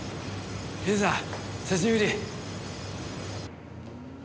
刑事さん久しぶり！